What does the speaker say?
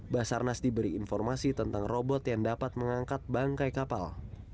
basarnas diberi informasi tentang robot yang dapat mengangkat bangkai kapal